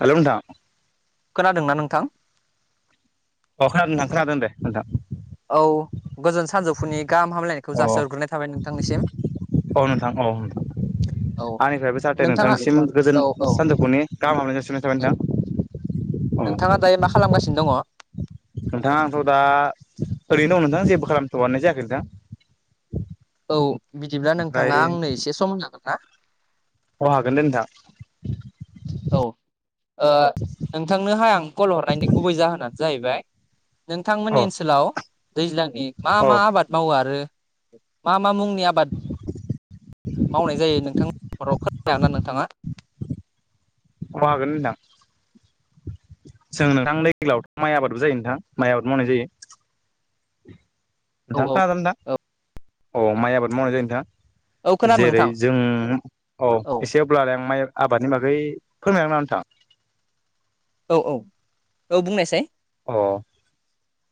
Hello नोंथां खोनादोंना नोंथां अ खोनादोना खोनादो दे नोंथां औ गोजोन सानजौफुनि गाहाम हामलायनायखौ अ जासिहरग्रोनाय थाबाय नोंथांनिसिम औ नोंथां औ नोंथां औ आंनिफ्रायबो जाहाथे नोंथाङा नोंथांनिसिम गोजोन औ औ सानजौफुनि गाहाम हामलायनाय जासिहरनाय औ थाबाय नोंथां अ नोंथाङा दायो मा खालामगासिनो दङ? नोंथां आंथ' दा ओरैनो दं नोंथां जेबो खालामथ'नाय जायाखै नोंथां औ बिदिब्ला ओमफ्राय नोंथाङा आंनो एसे समहोनो हागोन ना अ हागोन दे नोंथां औ ओ नोंथांनोहा आं कल हरनायनि गुबै जाहोनानो जाहैबाय औ नोंथांमोननि ओनसोलाव दैज्लांनि मा औ मा अ आबाद मावो आरो मा मा मुंनि आबाद मावनाय जायो नोंथांनि न'खराव फोरमायनो हागोन ना नोंथाङा अ हागोन नोंथां जों नोंथां माइ आबादबो जायो नोंथां माइ आबाद मावनाय जायो औ नोंथां औ खोनादोंना औ अ माइ आबाद मावनाय जायो औ नोंथां खोनादों जेरै नोंथां जों औ एसे अब्लालाय माइ आबादनि बागै फोरमायना ना नोंथां औ औ औ बुंनायसाय अ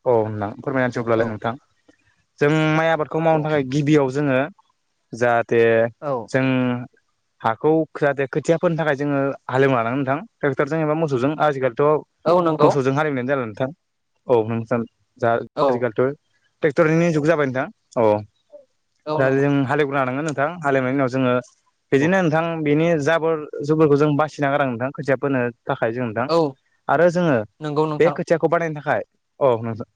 औ नोंथां फोरमायनोसै औ अबलालाय नोंथां जों माइ आबादखौ मावनो औ थाखाय गिबियाव जोङो जाहाथे औ जों हाखौ जाहाथे खोथिया फोनो थाखाय जोङो हालेवा लानांगोन नोंथां ट्रेक्टरजों एबा मोसौजों आजिखालि थ' औ नंगौ मोसौजों हालएवनायानो जाला नोंथां औ नोंथां औ आजिखालिथ' ट्रेक्टरनि जुग जाबाय नोंथां औ औ दा नंगौ जों हाल लानांगोन नोंथां हालएवनायनि उनाव जोङो बिदिनो नोंथां बिनि जाबोर जुबुरफोरखौ जों बासिना गारनांगोन नोंथां खोथिया फोनो थाखाय जों नोंथां औ आरो जोङो नंगौ बे नोंथां खोथियाखौ बानायनो थाखाय औ नोंथां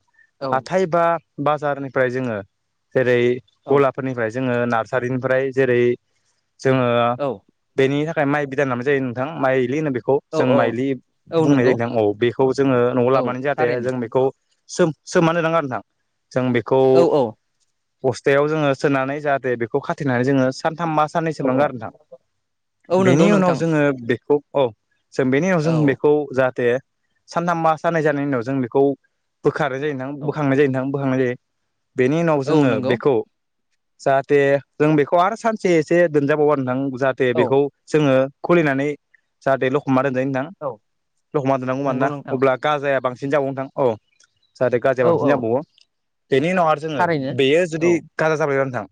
औ हाथाय बा बाजारनिफ्राय जोङो जेरै औ गलाफोरनिफ्राय जोङो नार्सारिनिफ्राय जेरै जोङो औ बेनि थाखाय फ्राय माइ बिदान लाबनाय जायो नोंथां माइलि होनो बेखौ औ जों औ माइलि औ बुंनाय नंगौ जायो नोंथां औ बेखौ ओ नआव औ लाबनानै जाहाथे थारैनो जों बेखौ सोम सोमना दोननांगो नोंथां जों बेखौ औ औ बस्थायाव जोङो सोनानै जाहाथे बेखौ खाथेनानै जोङो सानसे थामबा साननै सोमनांगो आरो नोंथां औ नंगौ बेनि उनाव नोंथां जोङो बेखौ औ जों बेनि उनाव‌ औ जों जाहाथे सानथाम बा साननै जानायनि उनाव जों बेखौ बोखारनाय जायो नोंथां औ बोखांनाय जायो नोंथां बोखांनाय जायो बेनि उनाव औ जोङो नंगौ बेखौ जाहाथे जों बेखौ आरो सानसे एसे दोनजाबावो आरो नोंथां जाहाथे औ बेखौ जोङो खुलिनानै जाहाथे लखबना दोनजायो नोंथां औ लखबना दोननांगौ नंगौ मानोना नोंथां अब्ला गाजाया बांसिन बांसिन जाबावो नोंथां औ जाहाथे औ गाजाया औ बांसिन जाबावो बेनि उनाव आरो जोङो थारैनो बेयो औ जुदि गाजा जाबायबा नोंथां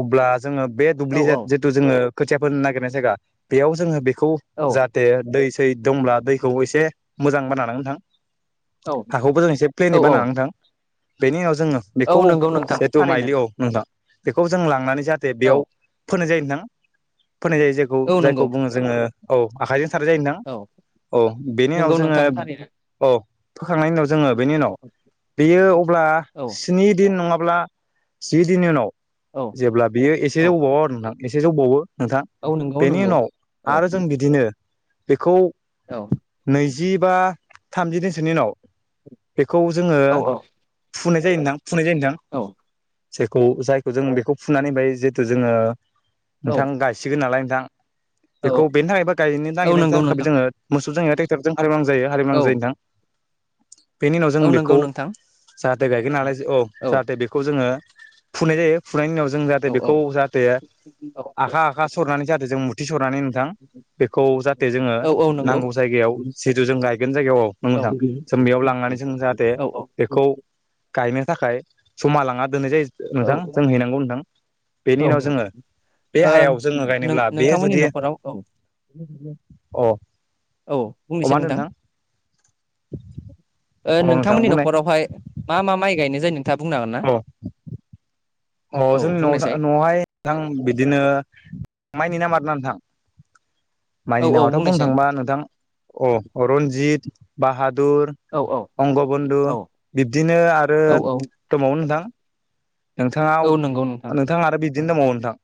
अब्ला जोङो बे औ दुब्लि औ जिथु जोङो खोथियाफोनो नागिरनाय जायगा बेयाव जोङो बेखौ बेखौ औ जाहाथे दै सै दंब्ला दैखौ एसे मोजां बानायना लानांगोन नोंथां औ हाखौबो जों एसे औ प्लेननि बानायनानै नोंथां बेनि उनावसो जों औ बेखौ नंगौ नोंथां जेहेथु थारैनो माइलि औ नों नोंथां बेखौ जों लांनानै जाहाथे औ बेयाव फोनाय जायो नोंथां फोनाय जायो जायखौ औ नंगौ जायखौ बुङो जोङो औ आखायजों खारै जायो नोंथां औ औ बेनि उनाव नंगौ जोङो नोंथां थारैनो औ फोखांनायनि उनाव जोङो बेनि उनाव बेयो अब्ला औ स्नि दिन नङाबा अब्ला जि दिननि उनाव औ जेब्ला बियो एसे औ जौबावो आरो नोंथां एसे जौबावो। नोंथां औ नंगौ बेनि नंगौ उनाव औ आरो जों बिदिनो बेखौ। औ। जि बा थामजि दिनसोनि उनाव बेखौ जोङो औ फुनाय जायो नोंथां। फुनाय जायो नोथां औ जायखौ जायखौ जों बेखौ फुनानै बाय जिहेथु जोङो नोंथां गायसिगोन नालाय नोंथां। औ बेखौ बेनि थाखायबो गायनो औ औ नागिरनाय नंगौ नोंथां थाखायबो जोङो मोसौ जायो एबा ट्रेक्टरजों हालेवनांगो जायो हालेवनो जायो औ नोथां। बेनि उनाव औ जों नंगौ बेखौ नोंथां जाहाथे गायगोन नालाय औ जाहाथे बेखौ जोङो फुनाय जायो फुनायनि उनाव जों जाहाथे औ बेखौ औ जाहाथे औ आखा आखा सरनानै जाहाते जों मुथि सरनानै नोंथां। बेखौ जाहाथे जोङो औ औ नंगौ नांगौ जायगायाव जिथु जों गाय गायगोन जायगायाव औ नों नोंथां जों बेयाव लांनानै जों जाहाथे औ बेखौ गायनो थाखाय जमा लाङा दोननाय जायो नोंथां जों हैनांगौ नोंथां बेनि औ उनाव जोङो बे ओ हायाव जोङो नों गायनोब्ला बे नोंथांमोननि जुदि नखराव औ अ औ अ बुंनिसै मा होनदों नोंथां। ओ औ नोंथां नोंथांमोननि बुंनाय नखरावहाय मा मा माइ गायनाय जायो नोंथां। औ। अ औ जोंनि नआवथा बुंनायसाय नआवहाय नोंथां बिदिनो माइ नेना मारनानै नोंथां। औ माइनि औ नामाथ बुंनो बुंनायसाय थांबा नोंथां अ रन्जित बाहादुर औ औ अंग बन्दु औ बिब्दिनो आरो औ औ दबावो नोंथां। आव औ नंगौ नोंथां आरो बिदिनो दबावो नोंथां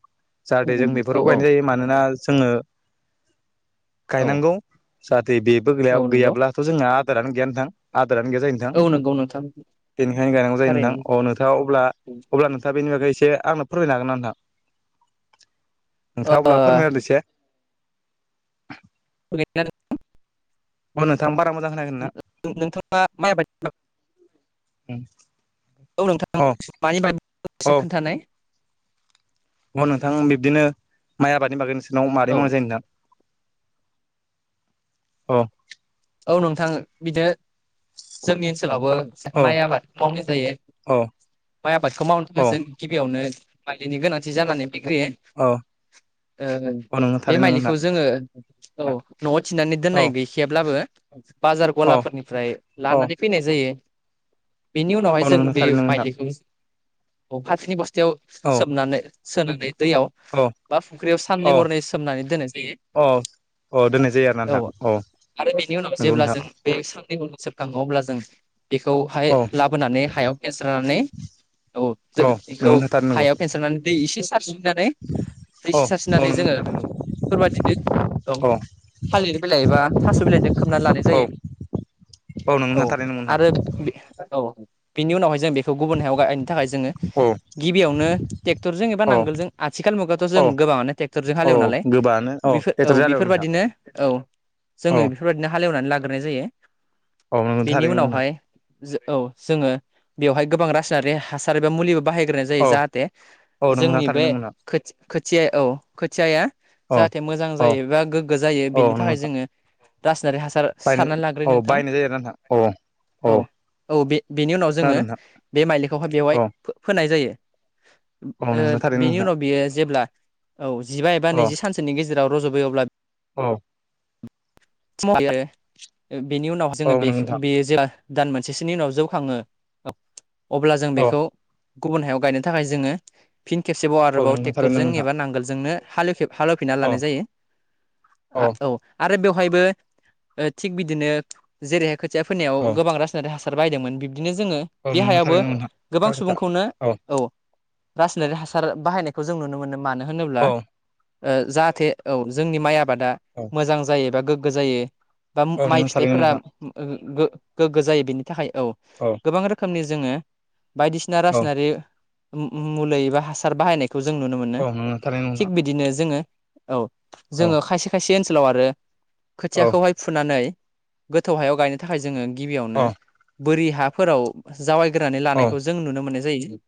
जाहाथे जों औ बेफोरखौ गायनाय जायो मानोना जोङो औ गायनांगौ जाहाथे बेफोर औ नंगौ गैयाब्लाथ जोंहा रानो गोया नोंथां। बिरानो गैया जायो नोंथां औ नंगौ नोंथां बेनिखायनो गायनांगौ जायो नोंथां थारैनो अ नोंथाङा ओ अब्ला दा बेनि बागै एसे आंनो फोरमायनो हागोन नोंथां नोंथाङा अब्ला फोरमायना होदो इसे। [unintelligible] अ नोंथां बा नोंथाङा माइ आबाद नि‌बागै उम। औ नोंथां मानि बांगै सावरायनो अ एसे खोन्थानाय अ नोंथां बिबदिनो माइ आबादनि बागै नोंसिनाव औ माबोरै मावनाय जायो नोंथां। अ। औ नोंथां बिदि जोंनि ओनसोलावबो अ माइ आबाद मावनाय जायो अ माइ आबादखौ मावनो थाखाय अ जों गिबियावनो माइलिनि गोनांथि जानानै फैयो अ अ नोंगौ बे थारैनो नोंगौ माइलिखौ नोंथां जोङो औ। न'आव थिननानै अ दोननाय गैखायाब्लाबो बाजार अ गलाफोरनिफ्राय अ लानानै फैनाय जायो। बेनि अ उनावहाय जोंङो नोंगौ बे थारैनो नोंगौ नोंथां माइलिखौ फाथोनि बस्थायाव औ सोमनानै सोनानै दैयाव औ बा फुख्रियाव औ साननै हरनै सोमनानै दोननाय जायो। औ अ दोननाय जायो आरोना औ नोंथां आरो बेनि उनाव नोंगौ जेब्ला नोंथां जों बे साननि उ सोमनांगौ अब्ला जों बेखौहाय औ लाबोनानै हायाव फेनस्रानानै औ। बेखौ नोंगौ नोंथां थारैनो नोंगौ हायाव फेनस्रारनानै दै एसे सारसो दै एसे औ औ सारसोनानै नोंगौ जोङो। नोंथां थारैनो नोंगौ औ थालिर बिलाइ बा थास' बिलाइजों [inaudible] औ नोंगौ नोंथां थारैनो नोंगौ नोंथां गुबुन हायाव गायनो थाखाय जोङो औ गिबियावनो ट्रेक्टरजों एबा औ नांगोलजों आथिखाल मुगायावाथ' जों औ गोबांङानो ट्रेक्टरजों औ हालेवो नालाय गोबाङानो औ एथर जालायबाय बेफोर नोंथां बायदिनो औ जोङो। औ बेफोरबायदिनो हालेवनानै लाग्रोनाय जायो। अ नोंथां बेनि थारैनो उनावहाय जो औ जोङो बेवहाय गोबां रासायनारि हासार एबा मुलिबो बाहाय। नाय जायो औ जाहाथे औ नोंगौ नोंथां जोंनि थारैनो बे नोंगौ नोंथां खोथिया औ खोथिया औ जाहाथे मोजां औ जायो बा गोग्गो जायो औ बेनि नंगौ थाखाय नोंथां जोङो। जेरै हासार बायनो सारना लाग्रोयो औ नोंथां। बायनाय जायो आरोना नोंथां औ औ औ बे बेनि उनाव जोङो खोनादों नोंथां बे मालिखौहाय बेवहाय औ फोनाय जायो। ओ नोंथां थारैनो बेनि नोंथां उनाव बियो जेब्ला औ जिबा एबा नैजि सानसोनि गेजेराव रज'बोयो अब्ला औ। आरो [unintelligible] बेनि उनाव जोङो औ बे नंगौ नोंथां बेयो जे दान मोनसेसोनि उनाव जौखाङो अब्ला जों औ बेखौ गुबुन हायाव गायनो थाखाय जोङो फिन खेबसेबाव औ आरोबाव नोंथां थारैनो ट्रेक्टरजों नंगौ नोंथां एबा नांगोलजोंनो हालेव हालेवफिनना औ लानाय जायो आ औ आरो बे। बेहायबो थिग बिदिनो जेरैहाय खोथिया फोननायाव औ गोबां रासायनारि हासार बाहायदोंमोन। बिदिनो जोङो औ बे नंगौ हायावबो थारैनो नंगौ नोंथां गोबां थार खोथा सुबुंखौनो औ। रासायनारि हासार बाहायनायखौ जों नुनो मोनो मानो होनोब्ला औ जाहाथे औ जोंनि माइ आबादा औ मोजां जायो एबा गोग्गो जायो। बा औ माइ नोंगौ थारैनो फिथाइफोरा नोंथां गोग्गो जायो बेनि थाखाय औ गोबां रोखोमनि जोङो बायदिसिना औ रासायनारि मुलि एबा हासार बाहायनाय जों नुनो मोनो औ नोंगौ थारैनो थिख नोंथां बिदिनो जोङो औ जों औ खायसे ओनसोल ओनसोलाव आरो औ खोथियाखौहाय फुनानै गोथौ हायाव गायनो थाखाय जोङो। गिबियावनो औ बोरि हाफोराव जायैग्रोनानै लानायखौ जों नुनो मोननाय जायो।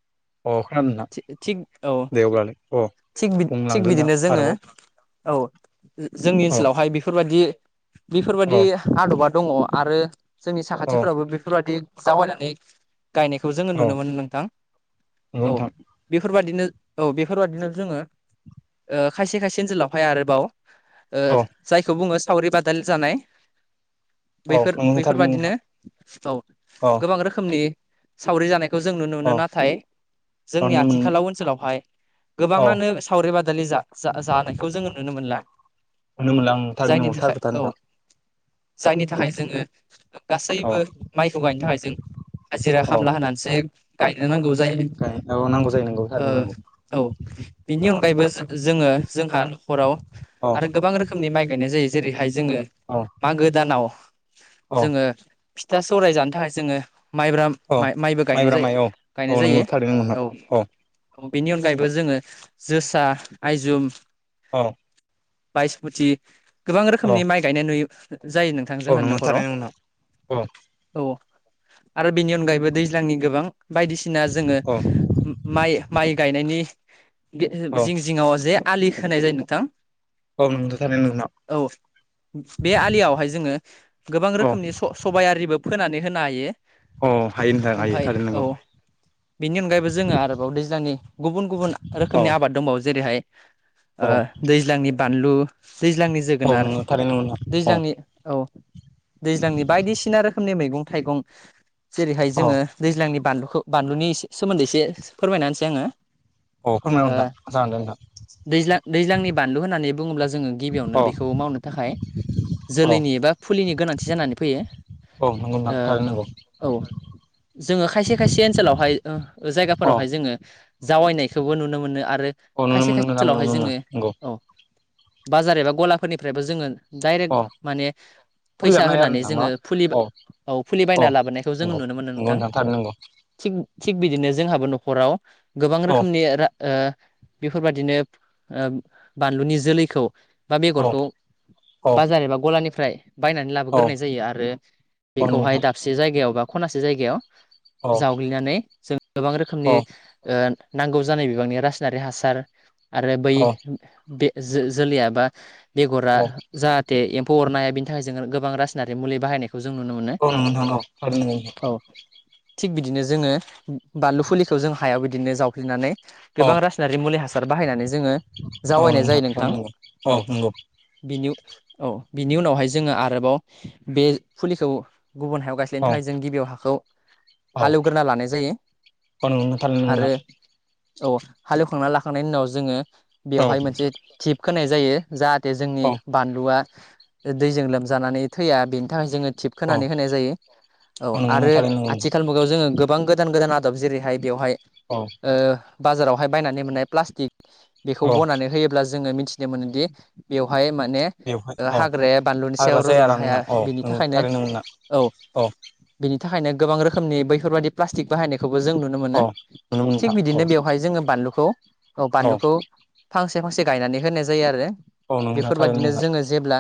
अ खोनादों नोंथां थिग औ दे अब्लालाय अ। थिग थिग बुंलांदो नोंथां बिदिनो जोङो। आरोबाव औ जोंनि औ ओनसोलावहाय बेफोर बायदि बेफोर बायदि औ आदबा दङ आरो जोंनि औ साखाथिफोराबो बेफोर बायदि जायैनानै गायनायखौ जोङो औ नुनो मोनो नोंथां नंगौ औ नोंथां बेफोरबादिनो। औ बेफोरबादिनो जोङो खायसे खायसे ओनसोलावहाय आरोबाव औ जायखौ बुङो सावरि बादालि जानाय। औ बैफोर नंगौ थारैनो बैफोरबादिनो नोंथां औ औ गोबां रोखोमनि सावरि जानाय खौ जों नुनो मोनो नाथाय जोंनि आथिखालाव ओनसोलावहाय औ गोबाङानो सावरि बादालि जा-जानायखौ जोङो नुनो मोनला [unintelligible] जायनि नंगौ थार थाखाय खोथा औ नोंथां जायनि थाखाय जोङो औ गासैबो माइखौ गायनो थाखाय जों हाजिरा औ खामला होनानैसो गायनो नांगौ जायो औ नांगौ जायो नंगौ ओ थारैनो नंगौ औ बिनि अनगायैबो जोङो जोंहा नखराव औ आरो गोबां रोखोमनि माइ गायनाय जायो जेरैहाय जोङो औ मागो दानाव औ जोङो फिथा सौराय जानो थाखाय जोङो माइब्रा औ माइबो गायनाय माइब्रा माइ जायो औ औ गायनाय नंगौ जायो थारैनो नंगौ नोंथां औ बेनि अनगायैबो जोङो जोसा आइजुम औ बायसमुथि गोबां रोखोमनि औ माइ गायनाय नुयो जायो नोंथां औ जोंहानि नंगौ नखराव थारैनो नोंथां औ आरो बेनि अनगायैबो दैज्लांनि गोबां बायदिसिना जोङो औ माइ- माइ गायनायनि औ जिं-जिङाव जे आलि होनाय जायो नोंथां [unintelligible] औ बे आलियावहाय जोङो गोबां औ रोखोमनि सबायारिबो फोनानै होनो हायो अ हायो नोंथां हायो ओमफाय थारै‌ औ नांगौ बेनि अनगायैबो जोङो आरोबाव दैज्लांनि गुबुन गुबुन औ रोखोमनि आबाद दंबावो जेरैहाय औ ओ दैज्लांनि बानलु दैज्लांनि औ जोगोनार नंगौ थारैनो नंगौ नोंथां औ दैज्लांनि औ दैज्लांनि बायदिसिना रोखोमनि मैगं-थाइगं जेरैहाय औ जोङो दैज्लांनि बानलु बानलुनि एसे सोमोन्दै एसे फोरमायना होनसै आङो। औ फोरमायना ओ नोंथां जागोन दे नोंथां दैज्लां दैज्लांनि बानलु होननानै बुङोब्ला जोङो गिबियावनो औ बेखौ मावनो थाखाय औ जोलैनि एबा फुलिनि गोनांथि जानानै फैयो। औ नंगौ नोंथां थारैनो नंगौ। ओ औ जोङो खायसे खायसे ओनसोलावहाय ओ औ जायगाफोरावहाय जोङो जावायनायखौबो नुनो मोनो आरो आरो औ नुनो खायसे मोनो खायसे नोंथां नुनो ओनसोलावहाय मोनो जोङो नंगौ औ बाजार एबा गलाफोरनिफ्रायबो जोङो डायरेक्ट अ माने फुलि फैसा जाबनो हायो आरो होनानै नोंथां जोङो न' फुलि औ औ फुलि बायना लाबोनायखौ जों नंगौ नुनो मोनो नंगौ नोंथां। थारैनो नंगौ थिग थिग बिदिनो जोंहाबो न'खराव गोबां औ रोखोमनि रा ओ बेफोरबादिनो ओ बानलुनि जोलैखौ बा औ बेगरखौ औ बाजार एबा गलानिफ्राय बायनानै औ लाबोग्रोनाय जायो आरो औ बेखौहाय नोंथां दाबसे जायगायाव बा खनासे जायगायाव औ जावग्लिनानै जों गोबां औ रोखोमनि ओ नांगौ जानाय बिबांनि रासायनारि हासार आरो बै औ बे जो जोलैया बा बेगरा औ जाहाथे एम्फौ अरनो हाया बिनि थाखाय जोङो गोबां रासायनारि मुलि बाहायनाय खौ जों नुनो मोनो नंगौ नोंथां औ थारैनो नोंथां औ। थिग बिदिनो जोङो बानलु फुलिखौ जों हायाव बिदिनो जाउगिलि नानै औ गोबां रासायनारि मुलि हासार बाहायनानै जोङो औ जावायनाय जायो नोंथां। थारैनो नंगौ औ नंगौ बिनि औ। बिनि उनावहाय जोङो आरोबाव बे फुलिखौ गुबुन हायाव औ गायस्लायनो थाखाय जों गिबियाव हाखौ औ हालेवग्रोना लानाय जायो। आरो [unintelligible] औ हालेवखांनानै लाखांनायनि उनाव जोङो औ बेवहाय मोनसे टिप खोनाय जायो जा हाथे जोंनि औ बानलुआ दैजों लोमजानानै थैया बेनि थाखाय जोङो टिप औ खोनानै होनाय जायो औ नंगौ आरो थारैनो नंगौ आथिखाल मुगायाव जोङो गो बां गोदान-गोदान आदब जेरैहाय बेवहाय नोंथां औ बाजारावहाय बायनानै मोननाय प्लास्टिक बेखौ औ बनानै होयोब्ला जोङो मिथिनो मोनोदि बेवहाय मान ने बेवहाय ओ औ हाग्राया बानलुनि हाग्रा सायाव जाया रज'नो आरो हाया। नोंथां औ बिनि नंगौ थाखायनो थारैनो नंगौ नोंथां औ औ। बिनि थाखायनो गोबां रोखोमनि बैफोरबायदि प्लास्टिक बाहायनाय खौबो जों नुनो औ मोनो। नंगौ थिग नोंथां औ बिदिनो बेवहाय जोङो बानलुखौ औ बानलुखौ फांसे फांसे गायनानै होनाय जायो आरो। औ नंगौ नोंथां थारैनो बेफोरबादिनो नंगौ जोङो जेब्ला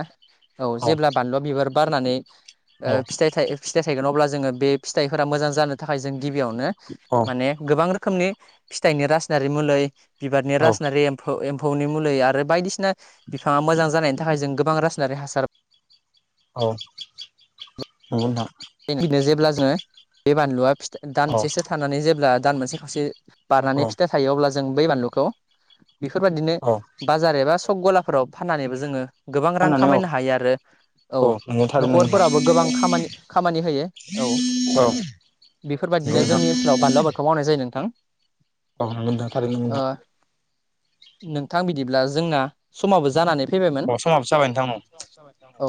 औ जेब्ला बानलुआ बिबार बारनानै औ ओ फिथाइ फिथाइ थायगोन, अब्ला जोङो बे फिथाइफोरा मोजां जानो थाखाय जों गिबियावनो माने गोबां रोखोमनि फिथाइनि रासनारि मुलै बिबारनि औ रासनारि एम्फौ एम एम्फौनि मुलि आरो बायदिसिना बिफाङा मोजां जानायनि थाखाय जों गोबां रासायनारि हासार औ नंगौ नोंथां। [unintelligible] जेब्ला जोङो बे बानलुआि फि औ दानसेसो थानानै जेब्ला दान मोनसे खावसे औ बारनानै फिथाइ थायो, अब्ला जों बै बानलुखौ बेफोरबायदिनो औ बाजार एबा सक गलाफोराव फाननानैबो जोङो गोबां रां फाननानै औ खामायनो हायो आरो औ नंगौ थारैनो नोंथां औ न'खरफोराबो गोबां खामानि खामानि होयो। औ नंगौ बेफोरबायदिनो नोंथां जोंनि ओनसोलाव बानलु आबादखौ मावनाय जायो नोंथां। ओ [unintelligible] नोंथां बिदिब्ला जोंना समाबो जानानै फैबायमोन। अ समाबो जाबाय नोंथां औ।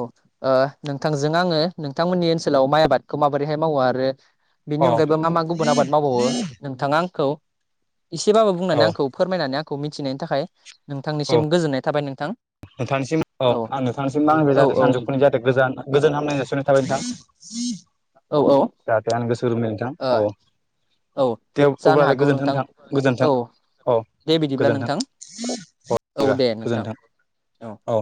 ओ नोंथांजों आङो नोंथांमोननि ओनसोलाव माइ आबादखौ माबोरैहाय मावो आरो औ बेनि अनगायैबो मा मा गुबुन आबाद मावबावो नोंथाङा आंखौ एसेबाबो औ बुंनानै आंखौ फोरमायनानै आंखौ मिथिनायनि थाखाय, औ नोंथांनिसिम गोजोननाय थाबाय नों नोंथांनिसिम औ आं नोंथांनिसिम आं बे औ जाहाथे सानजौफुनि जाहाथे गोजान-गोजान हामलायनाय जासिहरनाय थाबाय नोंथां। औ [unintelligible] ओ औ दे जानो अब्लालाय हागौ गोजोनथों नोंथां औ गोजोनथों अ दे बिदिब्ला गोजोनथों। नोंथां औ दे नोंथां। औ